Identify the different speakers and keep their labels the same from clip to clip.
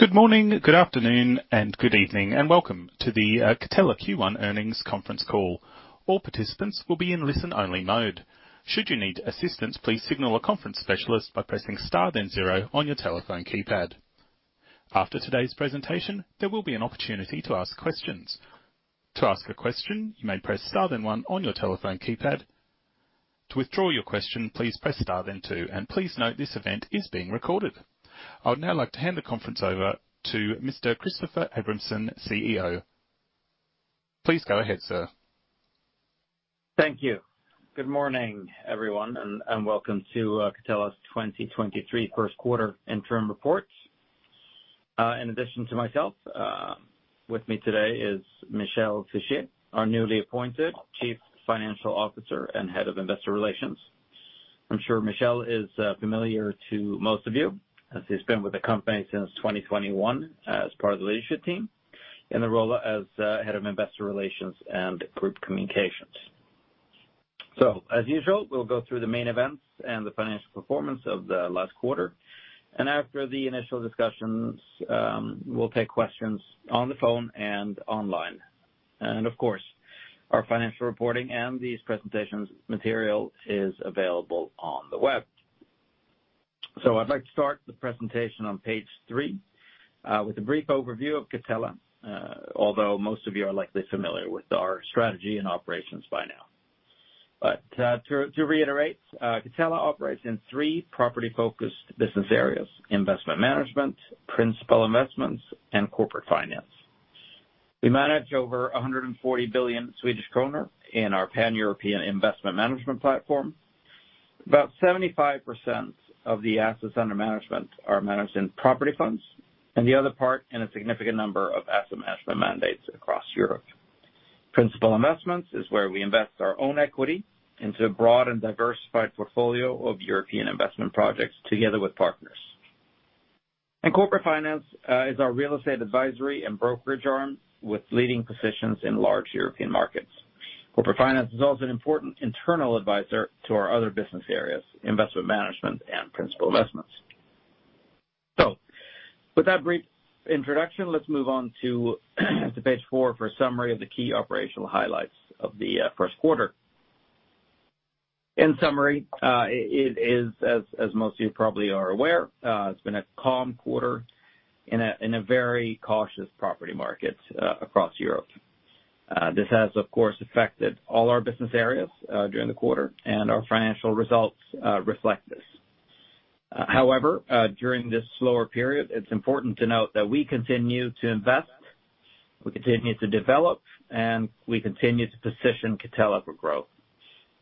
Speaker 1: Good morning, good afternoon, and good evening, and welcome to the Catella Q1 earnings conference call. All participants will be in listen-only mode. Should you need assistance, please signal a conference specialist by pressing star then zero on your telephone keypad. After today's presentation, there will be an opportunity to ask questions. To ask a question, you may press star then one on your telephone keypad. To withdraw your question, please press star then two. Please note, this event is being recorded. I would now like to hand the conference over to Mr. Christoffer Abramson, CEO. Please go ahead, sir.
Speaker 2: Thank you. Good morning, everyone, and welcome to Catella's 2023 first quarter interim report. In addition to myself, with me today is Michel Fischier, our newly appointed Chief Financial Officer and Head of Investor Relations. I'm sure Michel is familiar to most of you, as he's been with the company since 2021 as part of the leadership team in the role as Head of Investor Relations and Group Communications. As usual, we'll go through the main events and the financial performance of the last quarter. After the initial discussions, we'll take questions on the phone and online. Of course, our financial reporting and these presentations material is available on the web. I'd like to start the presentation on page three with a brief overview of Catella, although most of you are likely familiar with our strategy and operations by now. To reiterate, Catella operates in three property-focused business areas, investment management, principal investments, and corporate finance. We manage over 140 billion Swedish kronor in our Pan-European investment management platform. About 75% of the assets under management are managed in property funds, and the other part in a significant number of asset management mandates across Europe. Principal investments is where we invest our own equity into a broad and diversified portfolio of European investment projects together with partners. In corporate finance is our real estate advisory and brokerage arm with leading positions in large European markets. Corporate Finance is also an important internal advisor to our other business areas, Investment Management and Principal Investments. With that brief introduction, let's move on to page four for a summary of the key operational highlights of the first quarter. In summary, it is, as most of you probably are aware, it's been a calm quarter in a very cautious property market across Europe. This has, of course, affected all our business areas during the quarter, and our financial results reflect this. However, during this slower period, it's important to note that we continue to invest, we continue to develop, and we continue to position Catella for growth.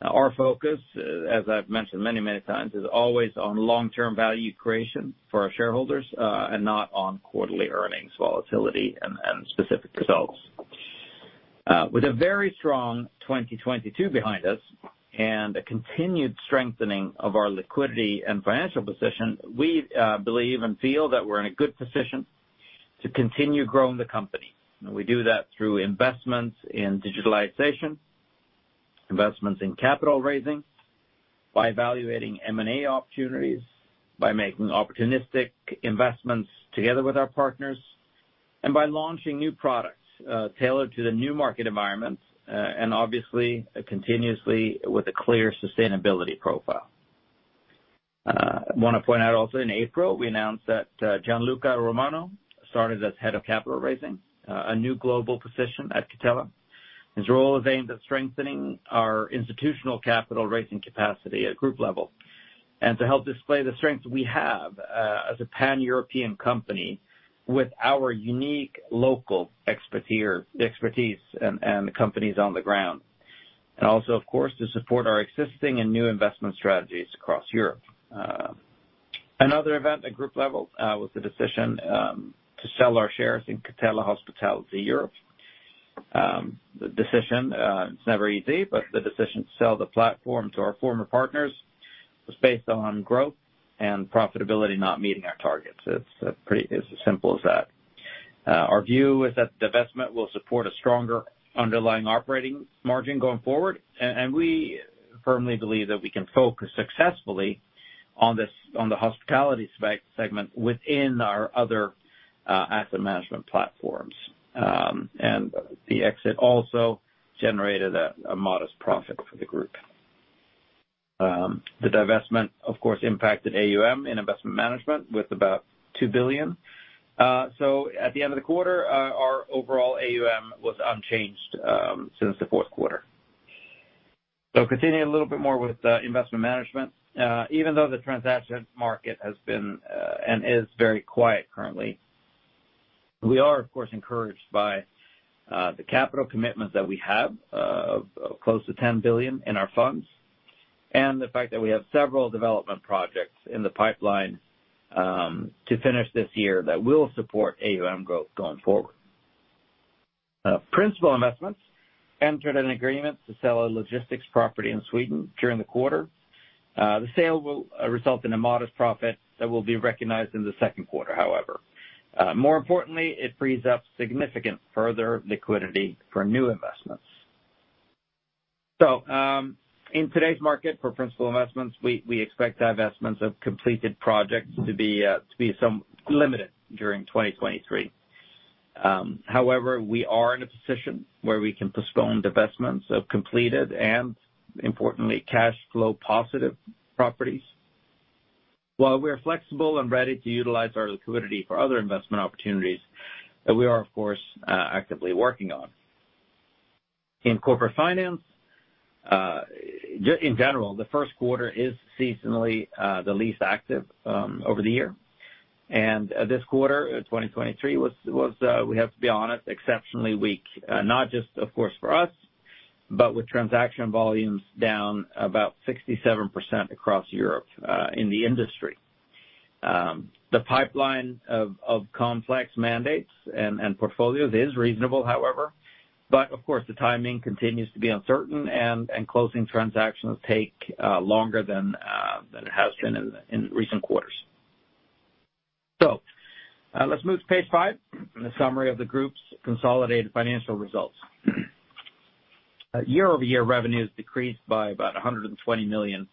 Speaker 2: Our focus, as I've mentioned many, many times, is always on long-term value creation for our shareholders, and not on quarterly earnings volatility and specific results. With a very strong 2022 behind us and a continued strengthening of our liquidity and financial position, we believe and feel that we're in a good position to continue growing the company. We do that through investments in digitalization, investments in capital raising, by evaluating M&A opportunities, by making opportunistic investments together with our partners, and by launching new products, tailored to the new market environment, and obviously continuously with a clear sustainability profile. I wanna point out also in April, we announced that Gianluca Romano started as Head of Capital Raising, a new global position at Catella. His role is aimed at strengthening our institutional capital raising capacity at group level and to help display the strength we have as a Pan-European company with our unique local expertise and companies on the ground, and also, of course, to support our existing and new investment strategies across Europe. Another event at group level was the decision to sell our shares in Catella Hospitality Europe. The decision, it's never easy, but the decision to sell the platform to our former partners was based on growth and profitability not meeting our targets. It's as simple as that. Our view is that the divestment will support a stronger underlying operating margin going forward, and we firmly believe that we can focus successfully on the hospitality segment within our other asset management platforms. The exit also generated a modest profit for the group. The divestment, of course, impacted AUM in investment management with about 2 billion. At the end of the quarter, our overall AUM was unchanged since the fourth quarter. Continuing a little bit more with investment management. Even though the transaction market has been and is very quiet currently, we are, of course, encouraged by the capital commitments that we have of close to 10 billion in our funds, and the fact that we have several development projects in the pipeline to finish this year that will support AUM growth going forward. Principal investments entered an agreement to sell a logistics property in Sweden during the quarter. The sale will result in a modest profit that will be recognized in the second quarter, however. More importantly, it frees up significant further liquidity for new investments. In today's market for principal investments, we expect divestments of completed projects to be limited during 2023. However, we are in a position where we can postpone divestments of completed and importantly, cash flow positive properties, while we are flexible and ready to utilize our liquidity for other investment opportunities that we are, of course, actively working on. In corporate finance, in general, the first quarter is seasonally the least active over the year. This quarter, 2023 was, we have to be honest, exceptionally weak. Not just of course for us, but with transaction volumes down about 67% across Europe, in the industry. The pipeline of complex mandates and portfolios is reasonable, however, but of course, the timing continues to be uncertain and closing transactions take longer than it has been in recent quarters. Let's move to page five, and a summary of the group's consolidated financial results. Year-over-year revenues decreased by about 120 million.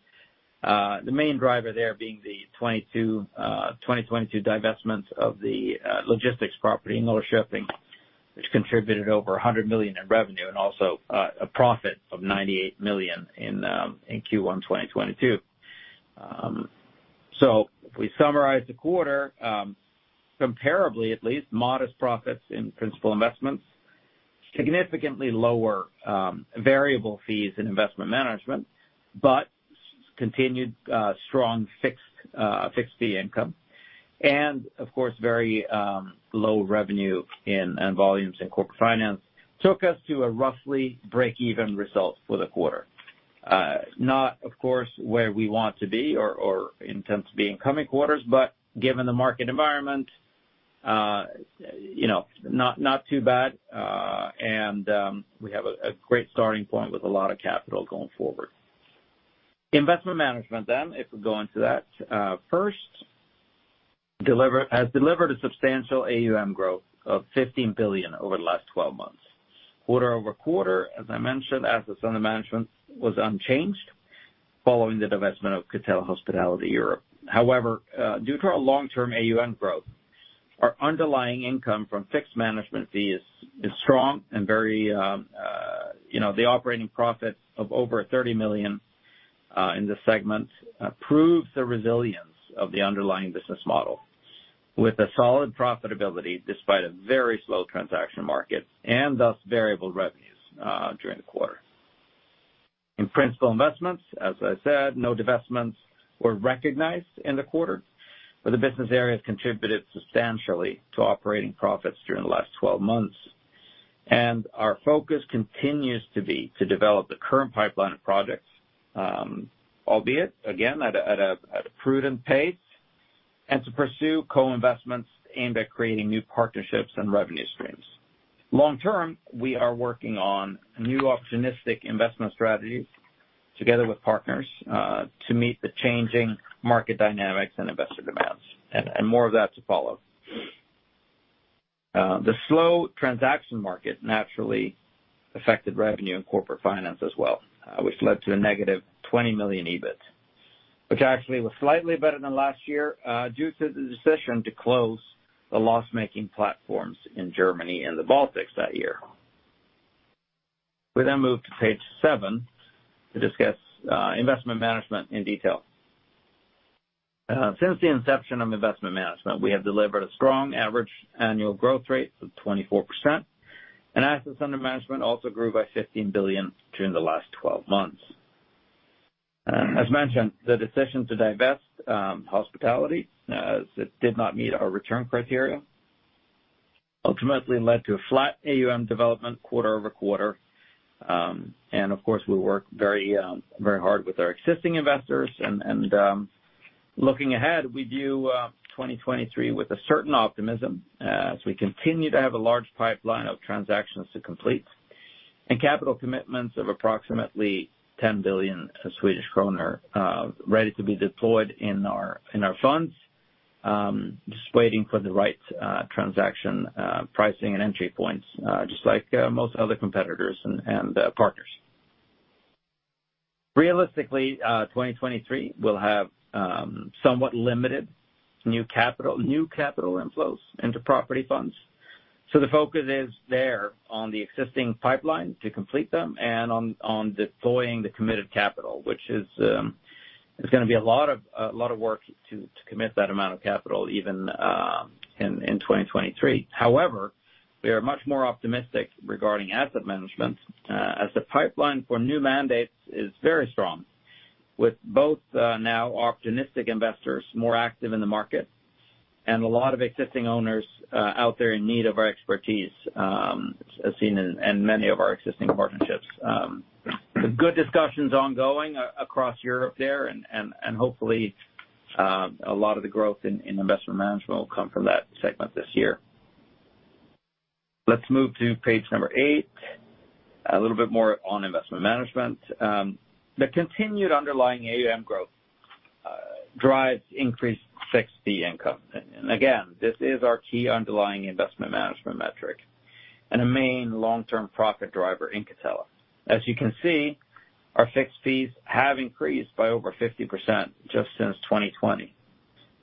Speaker 2: The main driver there being the 2022 divestment of the logistics property in Mölnlycke, which contributed over 100 million in revenue and also a profit of 98 million in Q1 2022. If we summarize the quarter, comparably at least, modest profits in principal investments, significantly lower variable fees in investment management, but continued strong fixed fixed fee income. Of course, very low revenue in, and volumes in Corporate Finance took us to a roughly break-even result for the quarter. Not of course, where we want to be or intends to be in coming quarters, but given the market environment, you know, not too bad, and we have a great starting point with a lot of capital going forward. Investment management, if we go into that, first, has delivered a substantial AUM growth of 15 billion over the last 12 months. Quarter-over-quarter, as I mentioned, assets under management was unchanged following the divestment of Catella Hospitality Europe. However, due to our long-term AUM growth, our underlying income from fixed management fees is strong and very, you know, the operating profit of over 30 million in this segment proves the resilience of the underlying business model with a solid profitability despite a very slow transaction market and thus variable revenues during the quarter. In principal investments, as I said, no divestments were recognized in the quarter, but the business area has contributed substantially to operating profits during the last 12 months. Our focus continues to be to develop the current pipeline of projects, albeit again at a prudent pace, and to pursue co-investments aimed at creating new partnerships and revenue streams. Long-term, we are working on new opportunistic investment strategies together with partners to meet the changing market dynamics and investor demands. More of that to follow. The slow transaction market naturally affected revenue and Catella Corporate Finance as well, which led to a negative 20 million EBIT. Which actually was slightly better than last year, due to the decision to close the loss-making platforms in Germany and the Baltics that year. We move to page seven to discuss investment management in detail. Since the inception of investment management, we have delivered a strong average annual growth rate of 24%, and assets under management also grew by 15 billion during the last 12 months. As mentioned, the decision to divest Catella Hospitality Europe did not meet our return criteria, ultimately led to a flat AUM development quarter-over-quarter. Of course, we work very, very hard with our existing investors. Looking ahead, we view 2023 with a certain optimism, as we continue to have a large pipeline of transactions to complete and capital commitments of approximately 10 billion Swedish kronor ready to be deployed in our funds, just waiting for the right transaction pricing and entry points, just like most other competitors and partners. Realistically, 2023 will have somewhat limited new capital inflows into property funds. The focus is there on the existing pipeline to complete them and on deploying the committed capital, which is it's gonna be a lot of work to commit that amount of capital even in 2023. However, we are much more optimistic regarding asset management, as the pipeline for new mandates is very strong with both now opportunistic investors more active in the market and a lot of existing owners out there in need of our expertise, as seen in many of our existing partnerships. Good discussions ongoing across Europe there and hopefully, a lot of the growth in investment management will come from that segment this year. Let's move to page number eight, a little bit more on investment management. The continued underlying AUM growth drives increased fixed fee income. Again, this is our key underlying investment management metric and a main long-term profit driver in Catella. As you can see, our fixed fees have increased by over 50% just since 2020.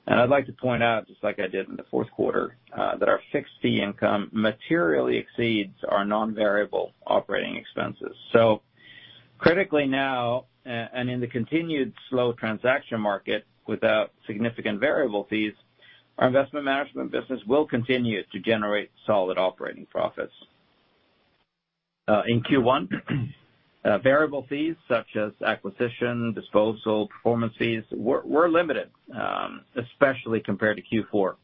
Speaker 2: I'd like to point out, just like I did in the fourth quarter, that our fixed fee income materially exceeds our non-variable operating expenses. Critically now, in the continued slow transaction market without significant variable fees, our investment management business will continue to generate solid operating profits. In Q1, variable fees such as acquisition, disposal, performance fees were limited, especially compared to Q4,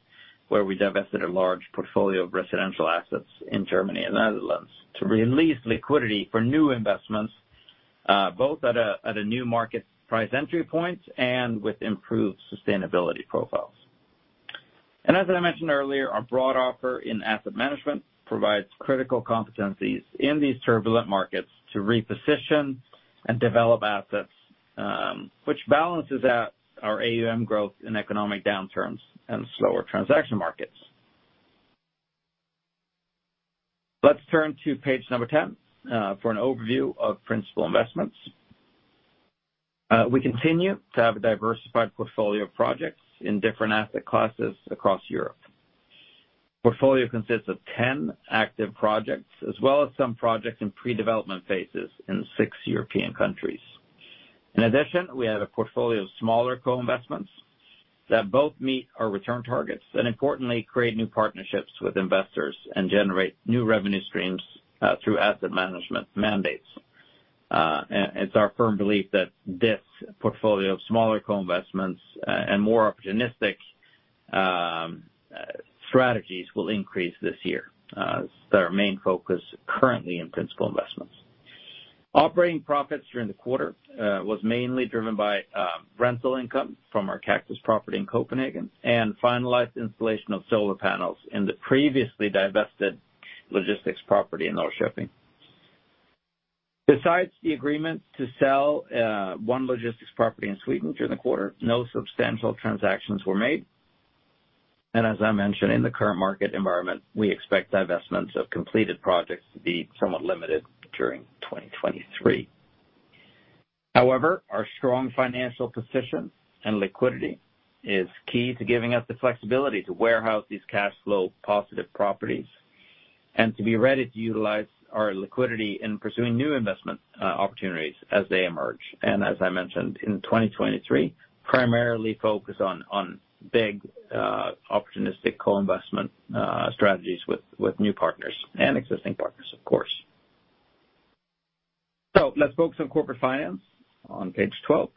Speaker 2: where we divested a large portfolio of residential assets in Germany and the Netherlands to release liquidity for new investments, both at a new market price entry point and with improved sustainability profiles. As I mentioned earlier, our broad offer in asset management provides critical competencies in these turbulent markets to reposition and develop assets, which balances out our AUM growth in economic downturns and slower transaction markets. Let's turn to page number 10 for an overview of principal investments. We continue to have a diversified portfolio of projects in different asset classes across Europe. Portfolio consists of 10 active projects as well as some projects in pre-development phases in six European countries. In addition, we have a portfolio of smaller co-investments that both meet our return targets and importantly create new partnerships with investors and generate new revenue streams through asset management mandates. It's our firm belief that this portfolio of smaller co-investments and more opportunistic strategies will increase this year as our main focus currently in principal investments. Operating profits during the quarter was mainly driven by rental income from our Kaktus property in Copenhagen and finalized installation of solar panels in the previously divested logistics property in Norrköping. Besides the agreement to sell, one logistics property in Sweden during the quarter, no substantial transactions were made. As I mentioned, in the current market environment, we expect divestments of completed projects to be somewhat limited during 2023. However, our strong financial position and liquidity is key to giving us the flexibility to warehouse these cash flow positive properties and to be ready to utilize our liquidity in pursuing new investment opportunities as they emerge. As I mentioned in 2023, primarily focus on big opportunistic co-investment strategies with new partners and existing partners, of course. Let's focus on Corporate Finance on page 12.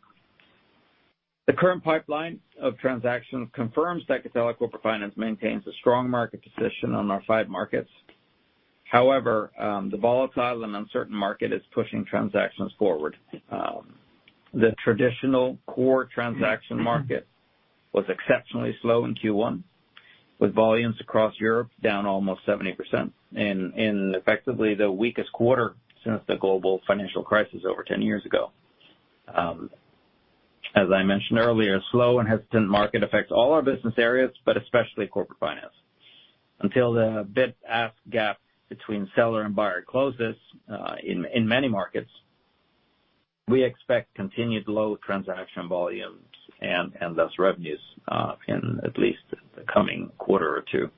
Speaker 2: The current pipeline of transactions confirms that Catella Corporate Finance maintains a strong market position on our five markets. However, the volatile and uncertain market is pushing transactions forward. The traditional core transaction market was exceptionally slow in Q1, with volumes across Europe down almost 70% in effectively the weakest quarter since the global financial crisis over 10 years ago. As I mentioned earlier, a slow and hesitant market affects all our business areas, but especially Corporate Finance. Until the bid-ask gap between seller and buyer closes, in many markets, we expect continued low transaction volumes and thus revenues, in at least the coming quarter or two.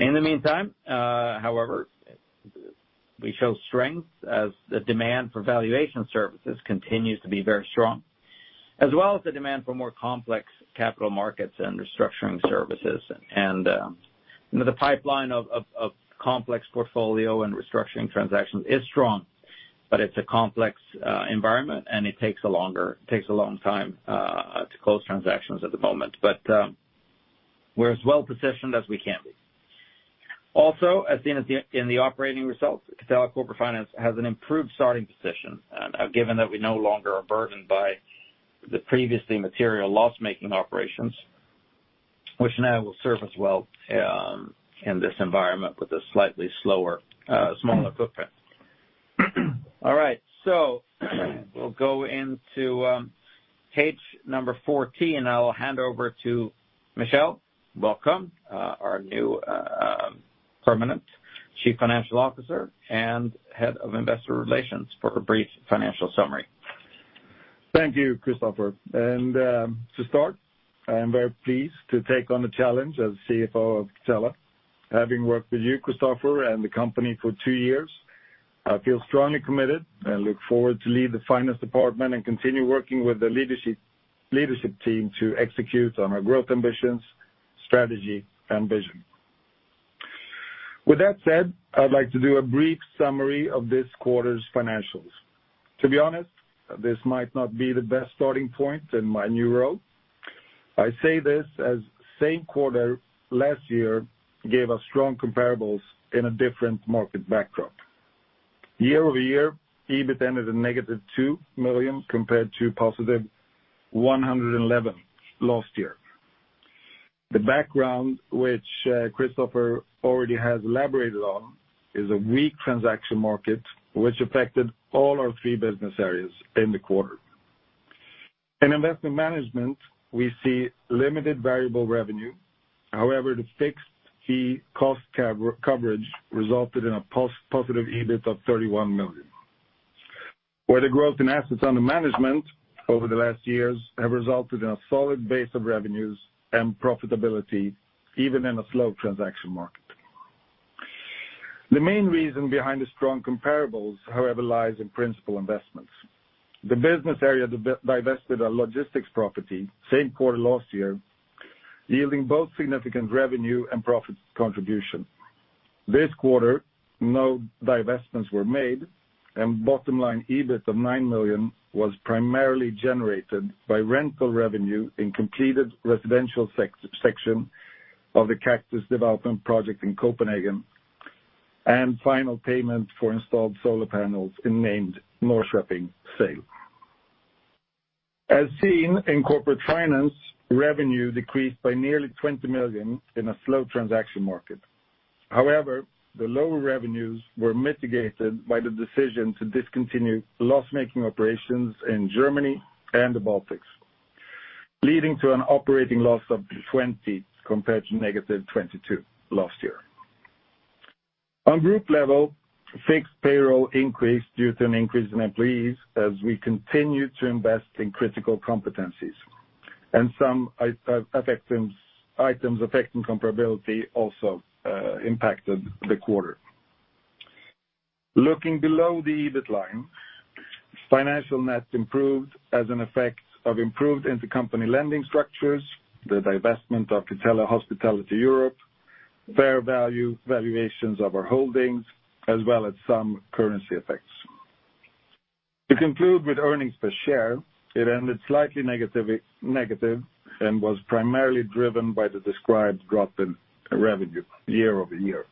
Speaker 2: In the meantime, however, we show strength as the demand for valuation services continues to be very strong, as well as the demand for more complex capital markets and restructuring services. The pipeline of complex portfolio and restructuring transactions is strong, but it's a complex environment and it takes a longer, takes a long time to close transactions at the moment. We're as well-positioned as we can be. Also, as seen in the operating results, Catella Corporate Finance has an improved starting position, given that we no longer are burdened by the previously material loss-making operations, which now will serve us well in this environment with a slightly slower, smaller footprint. All right, we'll go into page number 14, and I'll hand over to Michel. Welcome, our new permanent Chief Financial Officer and Head of Investor Relations for a brief financial summary.
Speaker 3: Thank you, Christoffer. To start, I am very pleased to take on the challenge as CFO of Catella. Having worked with you, Christoffer, and the company for two years, I feel strongly committed and look forward to lead the finance department and continue working with the leadership team to execute on our growth ambitions, strategy, and vision. With that said, I'd like to do a brief summary of this quarter's financials. To be honest, this might not be the best starting point in my new role. I say this as same quarter last year gave us strong comparables in a different market backdrop. Year-over-year, EBIT ended at -2 million compared to +111 million last year. The background which Christoffer already has elaborated on is a weak transaction market which affected all our three business areas in the quarter. In investment management, we see limited variable revenue. However, the fixed fee cost coverage resulted in a positive EBIT of 31 million, where the growth in assets under management over the last years have resulted in a solid base of revenues and profitability, even in a slow transaction market. The main reason behind the strong comparables, however, lies in principal investments. The business area divested a logistics property same quarter last year, yielding both significant revenue and profit contribution. This quarter, no divestments were made, and bottom line EBIT of 9 million was primarily generated by rental revenue in completed residential section of the Kaktus development project in Copenhagen and final payment for installed solar panels in named Norrköping sale. As seen in corporate finance, revenue decreased by nearly 20 million in a slow transaction market. The lower revenues were mitigated by the decision to discontinue loss-making operations in Germany and the Baltics, leading to an operating loss of 20 compared to -22 last year. On group level, fixed payroll increased due to an increase in employees as we continue to invest in critical competencies, and some items affecting comparability also impacted the quarter. Looking below the EBIT line, financial net improved as an effect of improved intercompany lending structures, the divestment of Catella Hospitality Europe, fair value valuations of our holdings, as well as some currency effects. To conclude with earnings per share, it ended slightly negative and was primarily driven by the described drop in revenue year-over-year.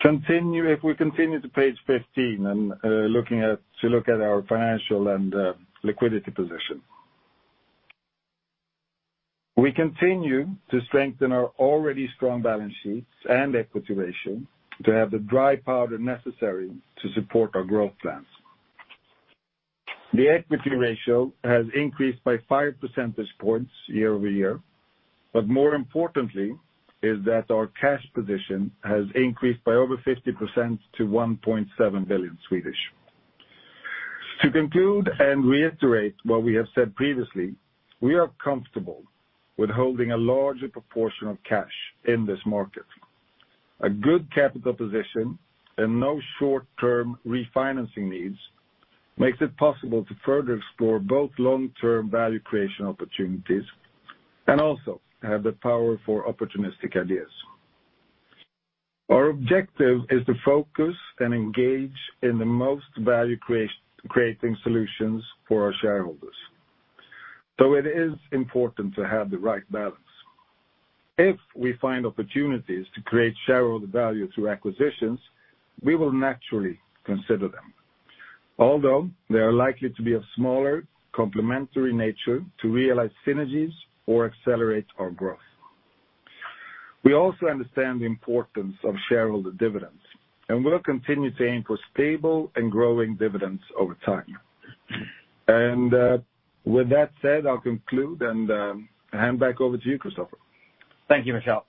Speaker 3: Continue. We continue to page 15 and to look at our financial and liquidity position. We continue to strengthen our already strong balance sheets and equity ratio to have the dry powder necessary to support our growth plans. The equity ratio has increased by five percentage points year-over-year. More importantly, our cash position has increased by over 50% to 1.7 billion SEK. To conclude and reiterate what we have said previously, we are comfortable with holding a larger proportion of cash in this market. A good capital position and no short-term refinancing needs makes it possible to further explore both long-term value creation opportunities and also have the power for opportunistic ideas. Our objective is to focus and engage in the most value-creating solutions for our shareholders. It is important to have the right balance. If we find opportunities to create shareholder value through acquisitions, we will naturally consider them. Although they are likely to be of smaller complementary nature to realize synergies or accelerate our growth. We also understand the importance of shareholder dividends, and we'll continue to aim for stable and growing dividends over time. With that said, I'll conclude and hand back over to you, Christoffer.
Speaker 2: Thank you, Michel.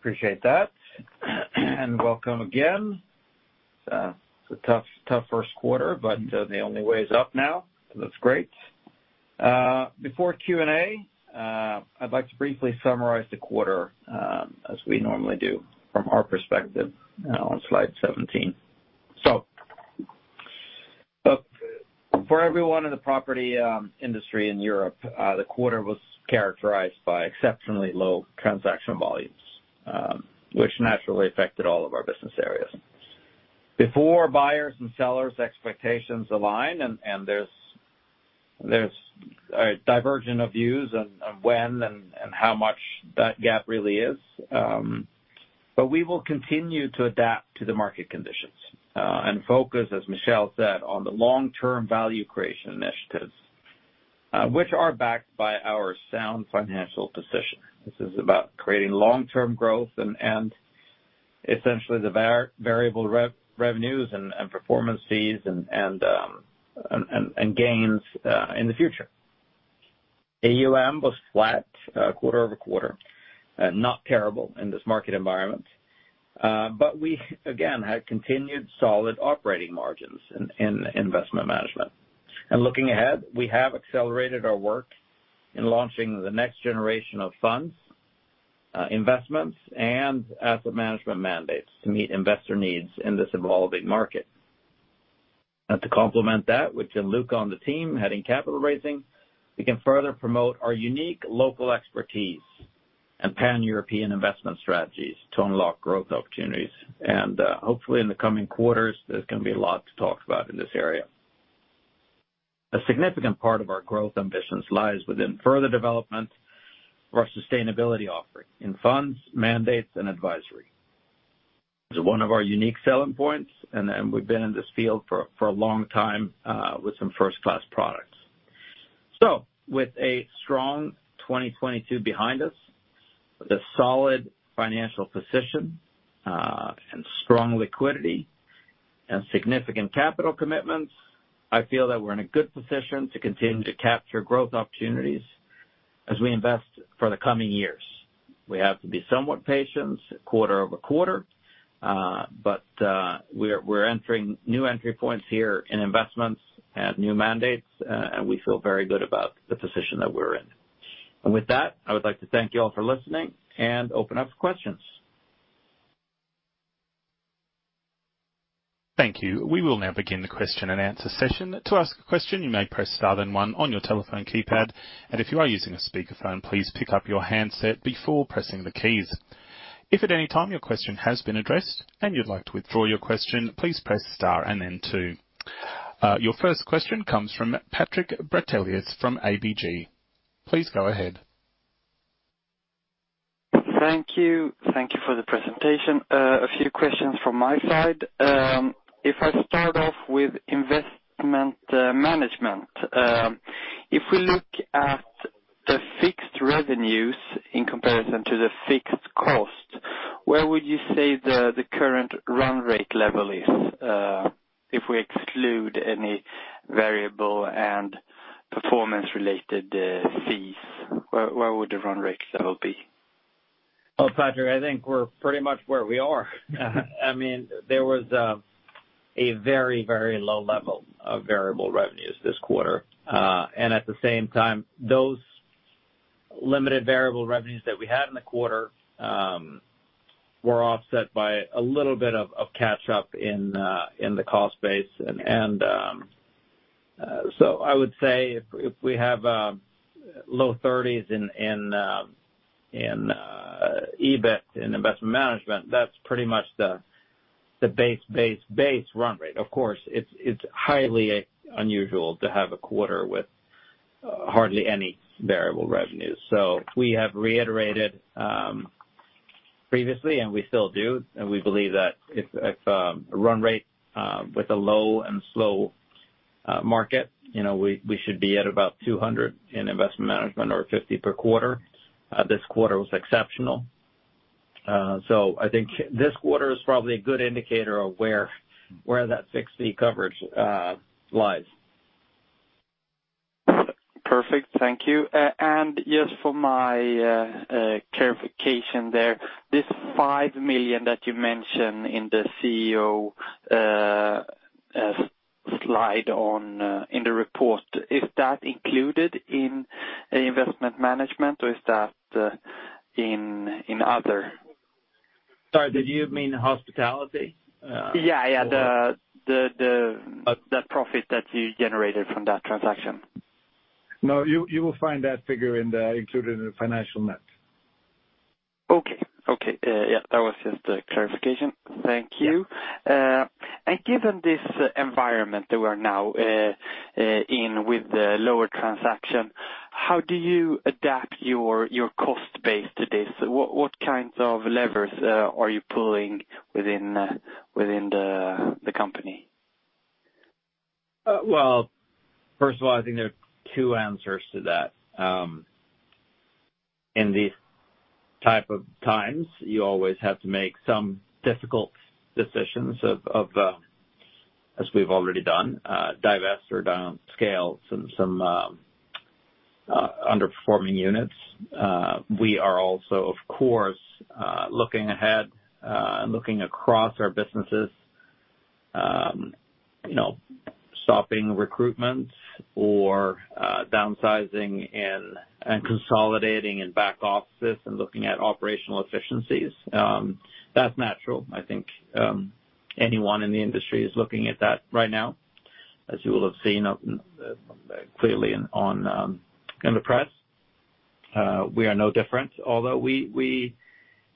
Speaker 2: Appreciate that. Welcome again. It's a tough first quarter, but the only way is up now, so that's great. Before Q&A, I'd like to briefly summarize the quarter, as we normally do from our perspective, on slide 17. For everyone in the property industry in Europe, the quarter was characterized by exceptionally low transaction volumes, which naturally affected all of our business areas. Before buyers and sellers expectations align, and there's a divergent of views on when and how much that gap really is. We will continue to adapt to the market conditions, and focus, as Michel said, on the long-term value creation initiatives, which are backed by our sound financial position. This is about creating long-term growth and essentially the variable revenues and performance fees and gains in the future. AUM was flat quarter-over-quarter. Not terrible in this market environment. We again had continued solid operating margins in investment management. Looking ahead, we have accelerated our work in launching the next generation of funds, investments, and asset management mandates to meet investor needs in this evolving market. To complement that with Gianluca on the team heading capital raising, we can further promote our unique local expertise and Pan-European investment strategies to unlock growth opportunities. Hopefully in the coming quarters, there's gonna be a lot to talk about in this area. A significant part of our growth ambitions lies within further development of our sustainability offering in funds, mandates, and advisory. Is one of our unique selling points, and we've been in this field for a long time, with some first-class products. With a strong 2022 behind us, with a solid financial position, and strong liquidity and significant capital commitments, I feel that we're in a good position to continue to capture growth opportunities as we invest for the coming years. We have to be somewhat patient quarter-over-quarter, we're entering new entry points here in investments and new mandates, and we feel very good about the position that we're in. With that, I would like to thank you all for listening and open up for questions.
Speaker 1: Thank you. We will now begin the question and answer session. To ask a question, you may press star then one on your telephone keypad. If you are using a speaker phone, please pick up your handset before pressing the keys. If at any time your question has been addressed and you'd like to withdraw your question, please press star and then two. Your first question comes from Patrik Brattelius from ABG. Please go ahead.
Speaker 4: Thank you. Thank you for the presentation. A few questions from my side. If I start off with investment management, if we look at the fixed revenues in comparison to the fixed cost, where would you say the current run rate level is? If we exclude any variable and performance-related fees, where would the run rate level be?
Speaker 2: Well, Patrik, I think we're pretty much where we are. I mean, there was a very, very low level of variable revenues this quarter. At the same time, those limited variable revenues that we had in the quarter were offset by a little bit of catch-up in the cost base. I would say if we have low thirties in EBIT in investment management, that's pretty much the base run rate. Of course, it's highly unusual to have a quarter with hardly any variable revenues. We have reiterated previously, and we still do, and we believe that if a run rate with a low and slow market, you know, we should be at about 200 in investment management or 50 per quarter. This quarter was exceptional. I think this quarter is probably a good indicator of where that fixed fee coverage lies.
Speaker 4: Perfect. Thank you. Just for my clarification there, this 5 million that you mentioned in the CEO slide on, in the report, is that included in investment management, or is that in other?
Speaker 2: Sorry, did you mean hospitality?
Speaker 4: Yeah, yeah.
Speaker 2: Oh.
Speaker 4: the profit that you generated from that transaction.
Speaker 3: No, you will find that figure included in the financial net.
Speaker 4: Okay. Okay. Yeah, that was just a clarification. Thank you.
Speaker 3: Yeah.
Speaker 4: Given this environment that we're now in with the lower transaction, how do you adapt your cost base to this? What, what kinds of levers are you pulling within the company?
Speaker 2: First of all, I think there are two answers to that. In these type of times, you always have to make some difficult decisions of, as we've already done, divest or downscale some underperforming units. We are also of course, looking ahead, looking across our businesses, you know, stopping recruitment or, downsizing and consolidating in back offices and looking at operational efficiencies. That's natural. I think, anyone in the industry is looking at that right now, as you will have seen, clearly on, in the press. We are no different, although we,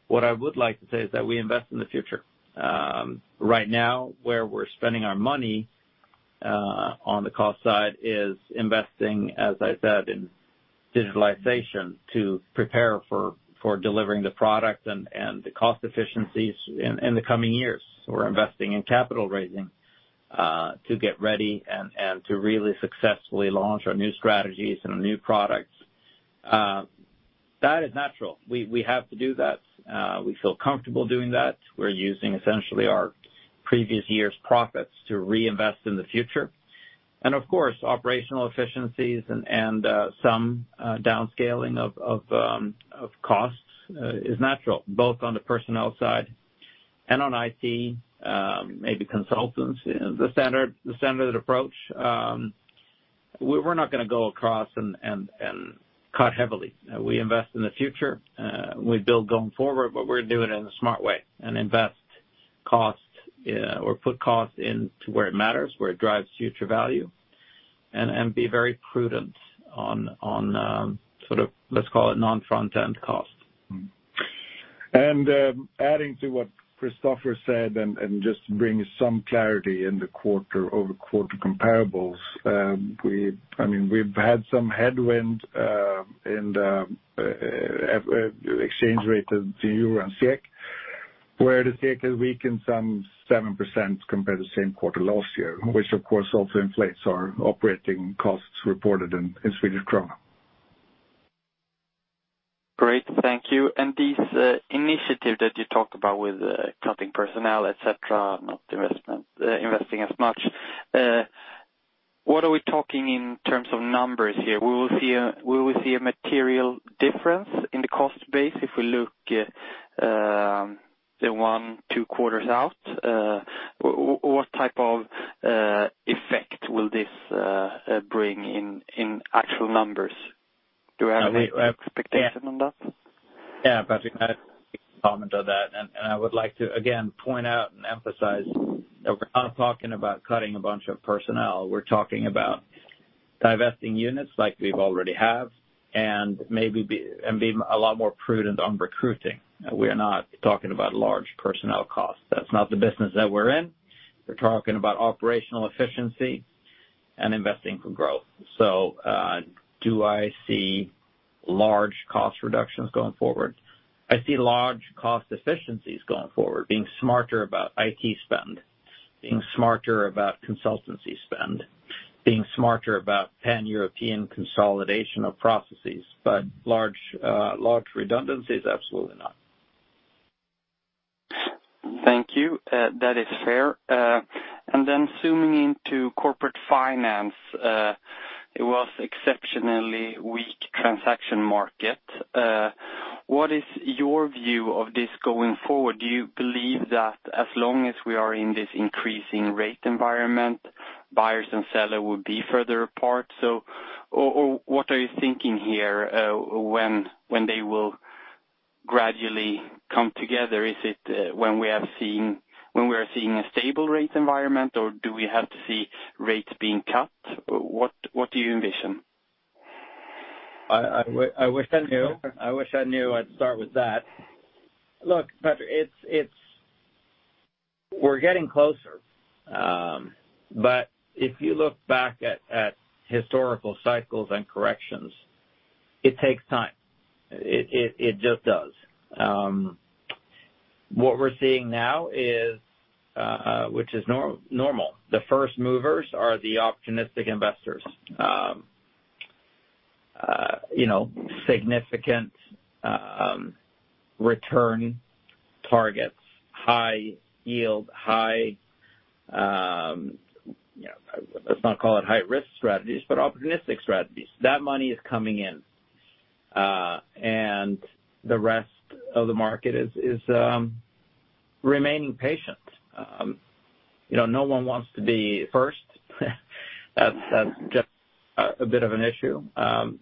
Speaker 2: What I would like to say is that we invest in the future. Right now, where we're spending our money on the cost side is investing, as I said, in digitalization to prepare for delivering the product and the cost efficiencies in the coming years. We're investing in capital raising to get ready and to really successfully launch our new strategies and our new products. That is natural. We have to do that. We feel comfortable doing that. We're using essentially our previous year's profits to reinvest in the future. Of course, operational efficiencies and some downscaling of costs is natural, both on the personnel side and on IT, maybe consultants. The standard approach, we're not gonna go across and cut heavily. We invest in the future, we build going forward, but we're gonna do it in a smart way and invest cost, or put cost into where it matters, where it drives future value, and be very prudent on, sort of, let's call it non-front-end costs.
Speaker 3: Adding to what Christoffer said and just bring some clarity in the quarter-over-quarter comparables. I mean, we've had some headwind in the exchange rate of the euro and SEK. Where the SEK has weakened some 7% compared to the same quarter last year, which of course also inflates our operating costs reported in Swedish krona.
Speaker 4: Great, thank you. These initiative that you talked about with cutting personnel, et cetera, not investing as much. What are we talking in terms of numbers here? Will we see a material difference in the cost base if we look one, two quarters out, what type of effect will this bring in actual numbers? Do we have any expectation on that?
Speaker 2: Yeah. Patrik, I'd comment on that. And I would like to again point out and emphasize that we're not talking about cutting a bunch of personnel. We're talking about divesting units like we've already have, and being a lot more prudent on recruiting. We are not talking about large personnel costs. That's not the business that we're in. We're talking about operational efficiency and investing for growth. Do I see large cost reductions going forward? I see large cost efficiencies going forward, being smarter about IT spend, being smarter about consultancy spend, being smarter about Pan-European consolidation of processes. Large redundancies, absolutely not.
Speaker 4: Thank you. That is fair. Zooming into Catella Corporate Finance, it was exceptionally weak transaction market. What is your view of this going forward? Do you believe that as long as we are in this increasing rate environment, buyers and seller will be further apart? Or, or what are you thinking here, when they will gradually come together? Is it, when we are seeing a stable rate environment, or do we have to see rates being cut? What, what do you envision?
Speaker 2: I wish I knew. I wish I knew. I'd start with that. Look, Patrik, We're getting closer. But if you look back at historical cycles and corrections, it takes time. It just does. What we're seeing now is, which is normal, the first movers are the opportunistic investors. You know, significant return targets, high yield, high, you know, let's not call it high-risk strategies, but opportunistic strategies. That money is coming in and the rest of the market is remaining patient. You know, no one wants to be first. That's just a bit of an issue.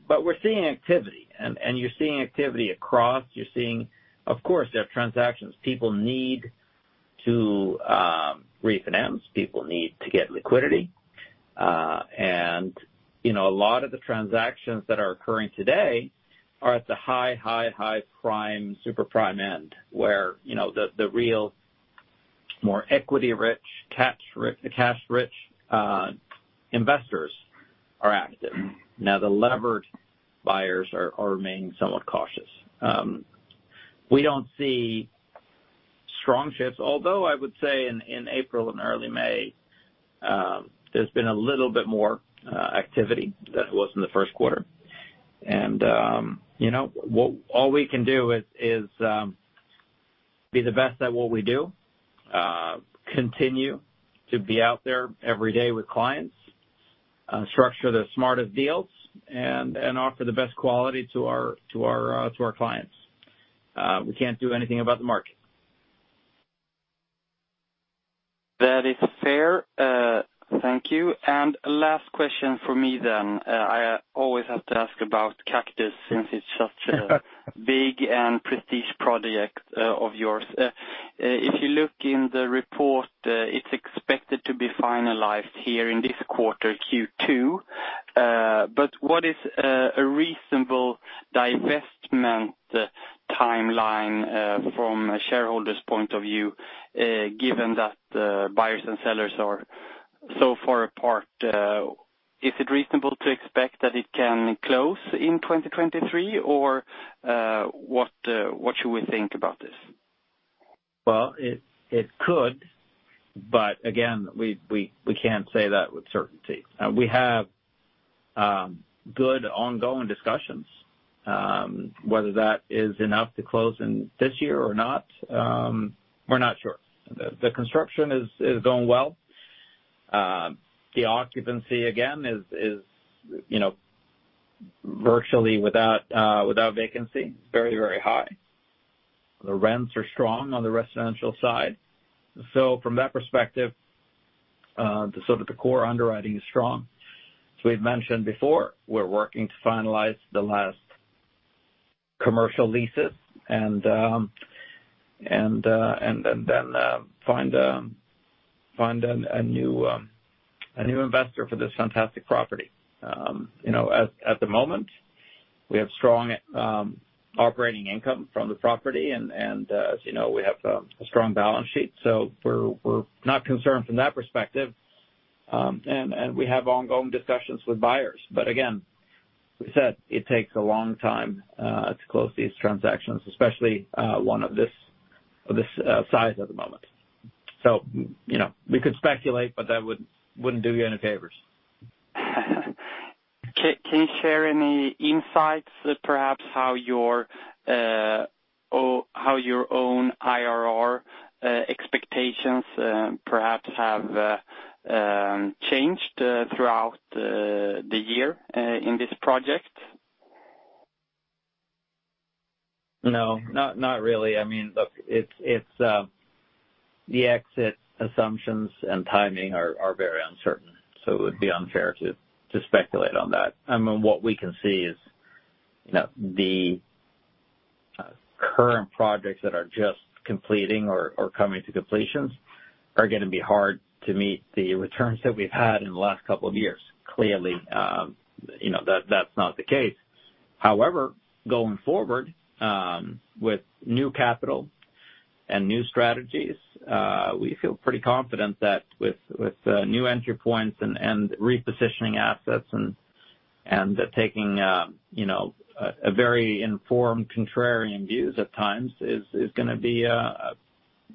Speaker 2: But we're seeing activity and you're seeing activity across. You're seeing, of course, there are transactions. People need to refinance. People need to get liquidity. You know, a lot of the transactions that are occurring today are at the high, high, high prime, super prime end, where, you know, the real more equity rich, cash rich investors are active. The levered buyers are remaining somewhat cautious. We don't see strong shifts, although I would say in April and early May, there's been a little bit more activity than it was in the first quarter. You know, all we can do is be the best at what we do, continue to be out there every day with clients, structure the smartest deals and offer the best quality to our clients. We can't do anything about the market.
Speaker 4: That is fair. Thank you. Last question for me then. I always have to ask about Kaktus since it's such a big and prestige project of yours. If you look in the report, it's expected to be finalized here in this quarter, Q2. What is a reasonable divestment timeline from a shareholder's point of view, given that buyers and sellers are so far apart? Is it reasonable to expect that it can close in 2023? What should we think about this?
Speaker 2: It could, again, we can't say that with certainty. We have good ongoing discussions. Whether that is enough to close in this year or not, we're not sure. The construction is going well. The occupancy again is, you know, virtually without vacancy, very high. The rents are strong on the residential side. From that perspective, the sort of the core underwriting is strong. As we've mentioned before, we're working to finalize the last commercial leases and then find a new investor for this fantastic property. You know, at the moment, we have strong operating income from the property and as you know, we have a strong balance sheet. We're not concerned from that perspective. And, and we have ongoing discussions with buyers, but again, we said it takes a long time to close these transactions, especially one of this size at the moment. You know, we could speculate, but that wouldn't do you any favors.
Speaker 4: Can you share any insights perhaps how your own IRR expectations perhaps have changed throughout the year in this project?
Speaker 2: No. Not really. I mean, look, The exit assumptions and timing are very uncertain, so it would be unfair to speculate on that. I mean, what we can see is, you know, the current projects that are just completing or coming to completions are gonna be hard to meet the returns that we've had in the last couple of years. Clearly, you know, that's not the case. However, going forward, with new capital and new strategies, we feel pretty confident that with new entry points and repositioning assets and taking, you know, a very informed contrarian views at times is gonna be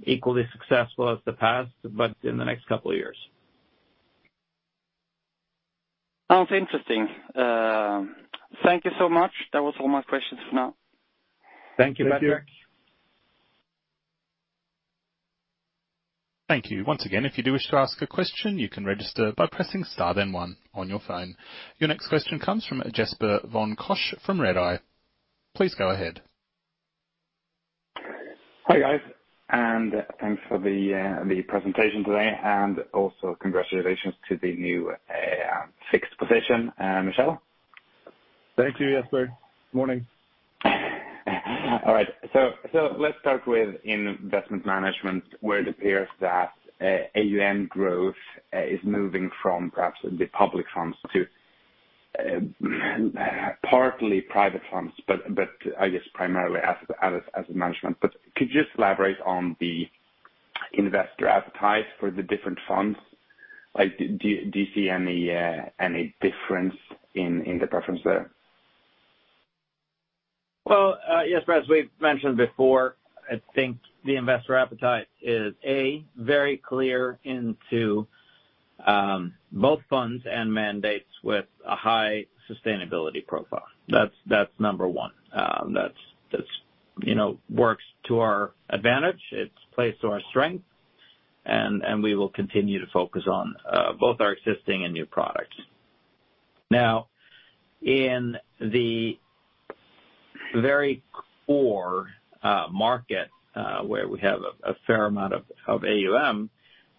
Speaker 2: equally successful as the past, but in the next couple of years.
Speaker 4: Sounds interesting. Thank you so much. That was all my questions for now.
Speaker 2: Thank you, Patrik.
Speaker 1: Thank you. Once again, if you do wish to ask a question, you can register by pressing star then one on your phone. Your next question comes from Jesper von Koch from Redeye. Please go ahead.
Speaker 5: Hi, guys, and thanks for the presentation today. Also congratulations to the new fixed position, Michel.
Speaker 3: Thank you, Jesper. Morning.
Speaker 5: All right. Let's start with investment management, where it appears that AUM growth is moving from perhaps the public funds to partly private funds, but I guess primarily as a management. Could you just elaborate on the investor appetite for the different funds? Like, do you see any difference in the preference there?
Speaker 2: Well, yes, as we've mentioned before, I think the investor appetite is, A, very clear into both funds and mandates with a high sustainability profile. That's one. That's, you know, works to our advantage. It's plays to our strength, and we will continue to focus on both our existing and new products. In the very core market, where we have a fair amount of AUM,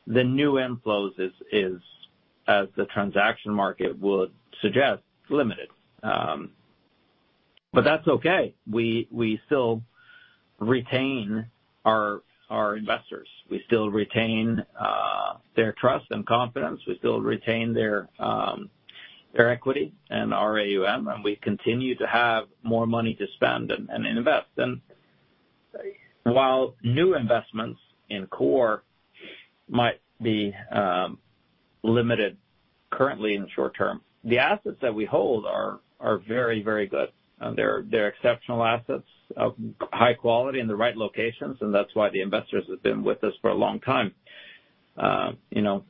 Speaker 2: the new inflows is, as the transaction market would suggest, limited. That's okay. We still retain our investors. We still retain their trust and confidence. We still retain their equity and our AUM, we continue to have more money to spend and invest. While new investments in core might be limited currently in the short term, the assets that we hold are very, very good. They're exceptional assets of high quality in the right locations, and that's why the investors have been with us for a long time. You know,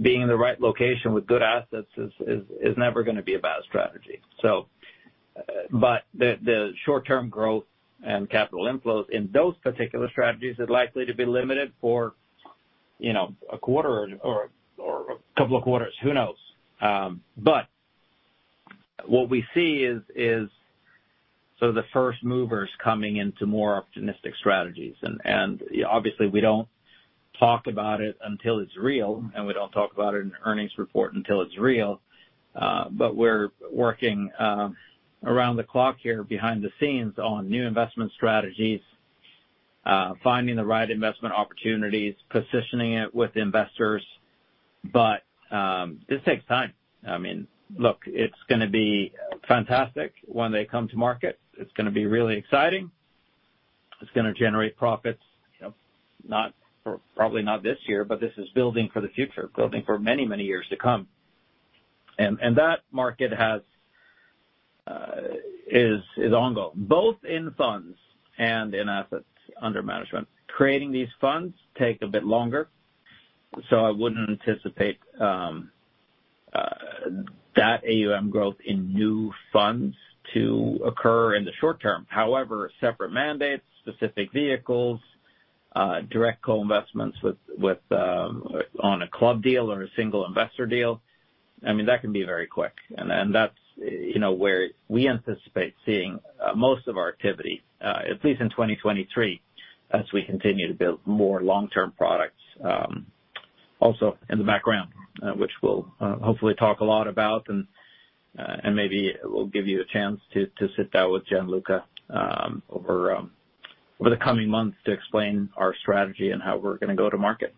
Speaker 2: being in the right location with good assets is never gonna be a bad strategy. The short-term growth and capital inflows in those particular strategies is likely to be limited for, you know, a quarter or a couple of quarters, who knows? What we see is sort of the first movers coming into more opportunistic strategies. Obviously we don't talk about it until it's real, and we don't talk about it in earnings report until it's real. We're working around the clock here behind the scenes on new investment strategies, finding the right investment opportunities, positioning it with investors. This takes time. I mean, look, it's gonna be fantastic when they come to market. It's gonna be really exciting. It's gonna generate profits, you know, probably not this year, but this is building for the future, building for many, many years to come. That market has, is ongoing, both in funds and in assets under management. Creating these funds take a bit longer, so I wouldn't anticipate that AUM growth in new funds to occur in the short term. However, separate mandates, specific vehicles, direct co-investments with, on a club deal or a single investor deal, I mean, that can be very quick. That's, you know, where we anticipate seeing most of our activity, at least in 2023, as we continue to build more long-term products, also in the background, which we'll hopefully talk a lot about and maybe we'll give you the chance to sit down with Gian Luca over the coming months to explain our strategy and how we're gonna go to market.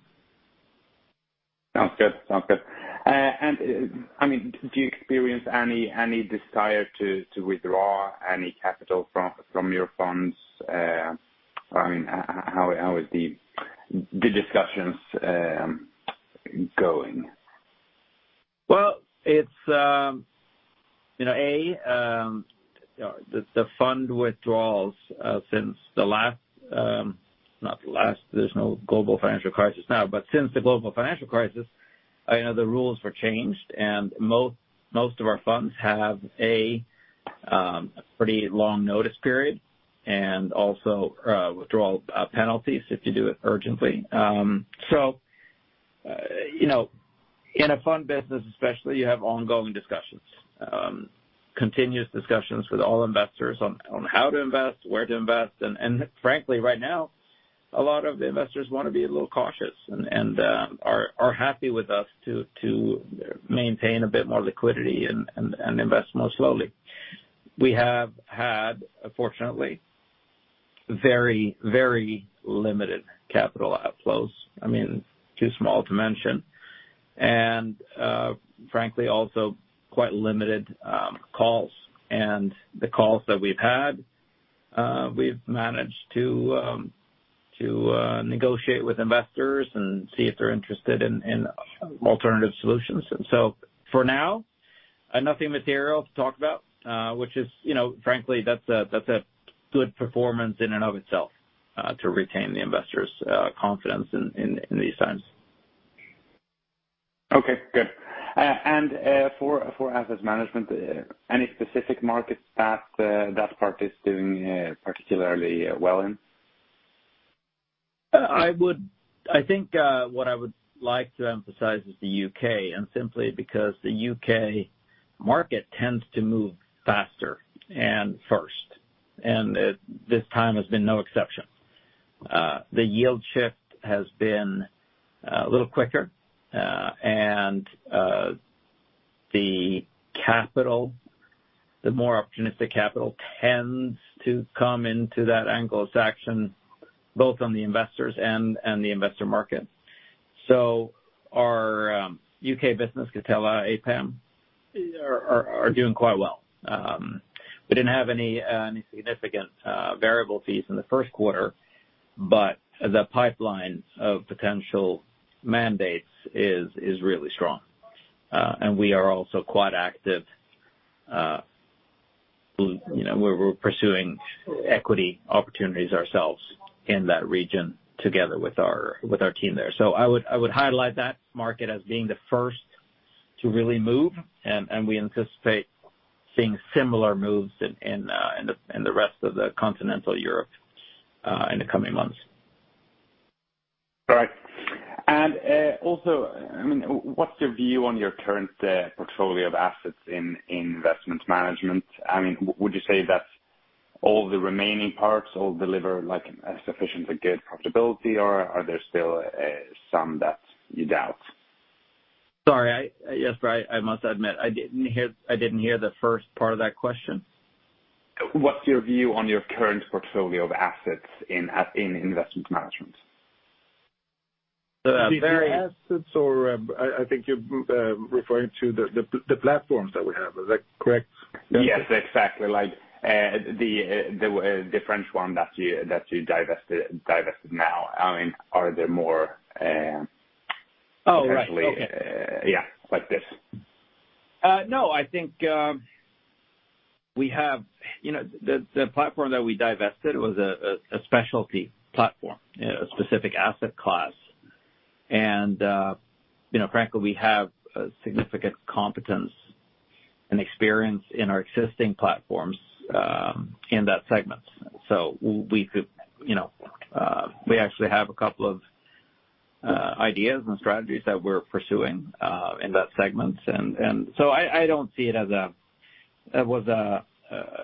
Speaker 5: Sounds good. Sounds good. I mean, do you experience any desire to withdraw any capital from your funds? I mean, how is the discussions going?
Speaker 2: Well, it's, you know, you know, the fund withdrawals, since the last, there's no global financial crisis now, but since the global financial crisis, you know, the rules were changed. Most of our funds have a pretty long notice period and also withdrawal penalties if you do it urgently. You know, in a fund business especially, you have ongoing discussions, continuous discussions with all investors on how to invest, where to invest. Frankly, right now, a lot of the investors wanna be a little cautious and are happy with us to maintain a bit more liquidity and invest more slowly. We have had, fortunately, very limited capital outflows, I mean, too small to mention. Frankly, also quite limited calls and the calls that we've had, we've managed to negotiate with investors and see if they're interested in alternative solutions. So for now, nothing material to talk about, which is, you know, frankly, that's a, that's a good performance in and of itself, to retain the investors' confidence in these times.
Speaker 5: Okay, good. For asset management, any specific markets that that part is doing particularly well in?
Speaker 2: I think what I would like to emphasize is the UK, simply because the UK market tends to move faster and first, it, this time has been no exception. The yield shift has been a little quicker, the capital, the more opportunistic capital tends to come into that angle of action, both on the investors and the investor market. Our UK business, Catella APAM are doing quite well. We didn't have any significant variable fees in the first quarter, the pipeline of potential mandates is really strong. We are also quite active, you know, we're pursuing equity opportunities ourselves in that region together with our team there. I would highlight that market as being the first to really move, and we anticipate seeing similar moves in the rest of the continental Europe in the coming months.
Speaker 5: All right. Also, I mean, what's your view on your current portfolio of assets in investment management? I mean, would you say that all the remaining parts all deliver like a sufficiently good profitability, or are there still some that you doubt?
Speaker 2: Sorry, yes, I must admit I didn't hear the first part of that question.
Speaker 5: What's your view on your current portfolio of assets in investment management?
Speaker 2: The very
Speaker 3: The assets or, I think you're referring to the platforms that we have. Is that correct?
Speaker 5: Yes, exactly. Like, the French one that you divested now. I mean, are there more?
Speaker 2: Oh, right. Okay.
Speaker 5: Potentially, yeah, like this.
Speaker 2: No. I think, we have. You know, the platform that we divested was a specialty platform, a specific asset class. You know, frankly, we have a significant competence and experience in our existing platforms, in that segment. We could, you know, we actually have a couple of ideas and strategies that we're pursuing in that segment. So I don't see it as a. It was a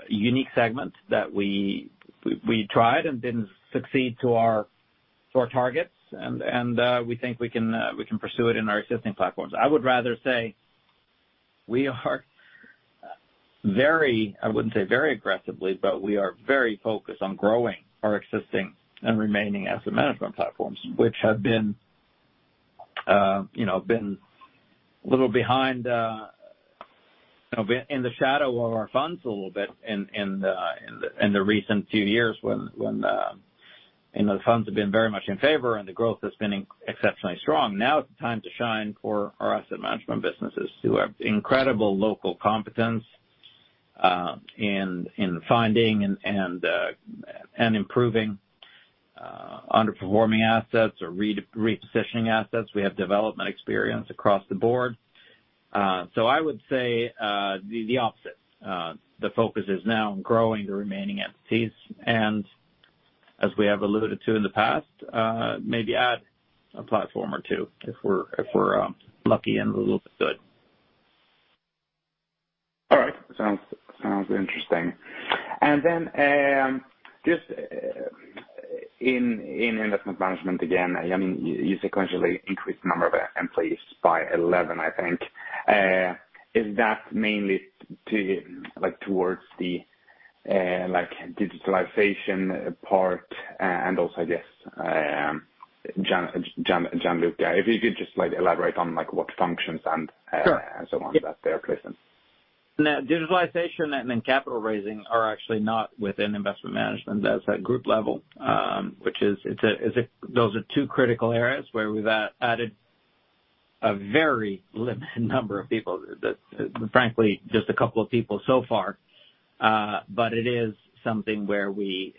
Speaker 2: unique segment that we tried and didn't succeed to our targets. And we think we can pursue it in our existing platforms. I would rather say we are very. I wouldn't say very aggressively, but we are very focused on growing our existing and remaining asset management platforms, which have been, you know, been a little behind, you know, in the shadow of our funds a little bit in the recent few years when, you know, the funds have been very much in favor and the growth has been exceptionally strong. Now it's time to shine for our asset management businesses, who have incredible local competence in finding and improving underperforming assets or repositioning assets. We have development experience across the board. I would say the opposite. The focus is now on growing the remaining entities, and as we have alluded to in the past, maybe add a platform or two if we're lucky and a little bit good.
Speaker 5: All right. Sounds interesting. Just in investment management again, I mean, you sequentially increased the number of employees by 11, I think. Is that mainly to like towards the like digitalization part and also, I guess, Gianluca Romano, if you could just like elaborate on like what functions and?
Speaker 2: Sure.
Speaker 5: On that they are placing.
Speaker 2: Digitalization and then capital raising are actually not within investment management. That's at group level, which is, Those are two critical areas where we've added a very limited number of people. That, frankly, just a couple of people so far. But it is something where we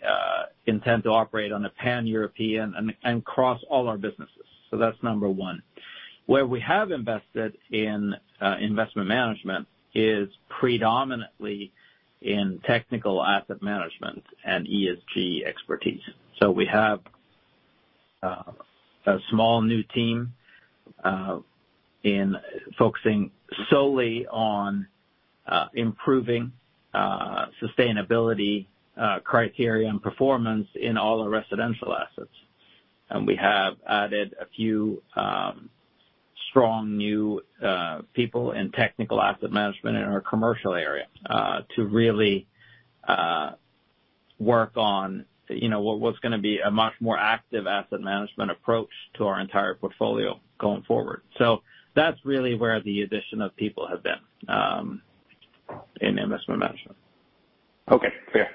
Speaker 2: intend to operate on a Pan-European and across all our businesses. That's number one. Where we have invested in investment management is predominantly in technical asset management and ESG expertise. We have a small new team in focusing solely on improving sustainability criteria and performance in all our residential assets. We have added a few, strong new, people in technical asset management in our commercial area, to really, work on, you know, what's gonna be a much more active asset management approach to our entire portfolio going forward. That's really where the addition of people have been, in investment management.
Speaker 5: Okay, fair.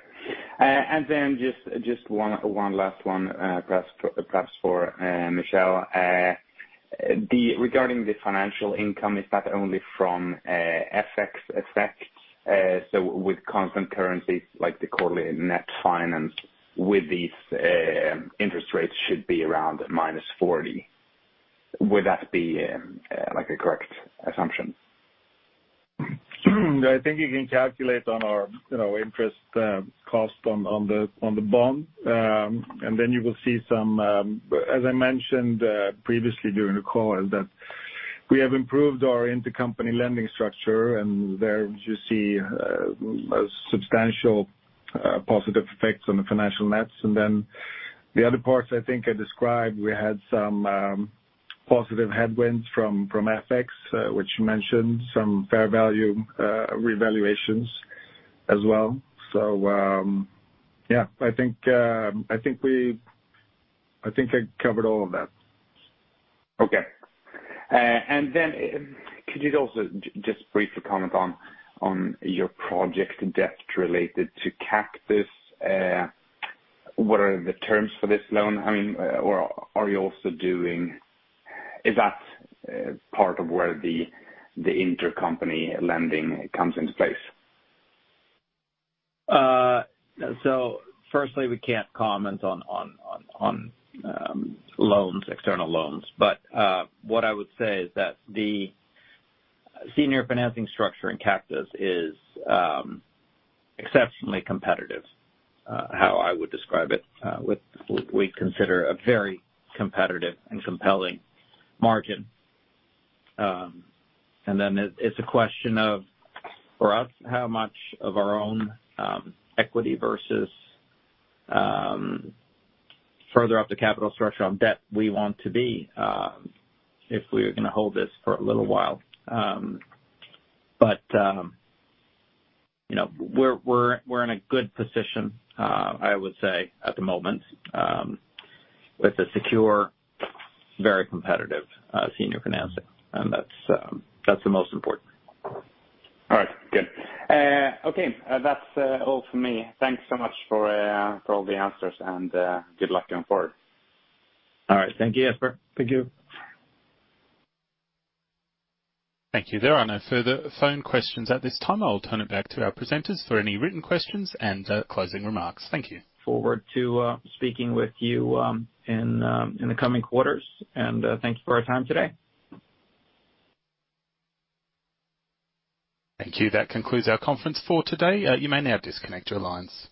Speaker 5: Just one last one, perhaps for Michel. Regarding the financial income, is that only from FX effects? With constant currencies like the quarterly net finance with these interest rates should be around minus 40. Would that be like a correct assumption?
Speaker 3: I think you can calculate on our, you know, interest cost on the bond. Then you will see some, as I mentioned previously during the call, that we have improved our intercompany lending structure, and there you see a substantial positive effects on the financial nets. Then the other parts, I think I described, we had some positive headwinds from FX, which you mentioned, some fair value revaluations as well. Yeah, I think I covered all of that.
Speaker 5: Could you also just briefly comment on your project debt related to Kaktus Towers? What are the terms for this loan? I mean, or are you also doing, Is that part of where the intercompany lending comes into place?
Speaker 2: Firstly, we can't comment on loans, external loans. What I would say is that the senior financing structure in Kaktus is exceptionally competitive, how I would describe it, with we consider a very competitive and compelling margin. Then it's a question of, for us, how much of our own equity versus further up the capital structure on debt we want to be, if we're gonna hold this for a little while. You know, we're in a good position, I would say at the moment, with a secure, very competitive senior financing, and that's the most important.
Speaker 5: All right, good. Okay. That's all for me. Thanks so much for all the answers, and good luck going forward.
Speaker 2: All right. Thank you, Jesper.
Speaker 3: Thank you.
Speaker 1: Thank you. There are no further phone questions at this time. I'll turn it back to our presenters for any written questions and closing remarks. Thank you.
Speaker 2: Forward to speaking with you in the coming quarters. Thank you for our time today.
Speaker 1: Thank you. That concludes our conference for today. You may now disconnect your lines.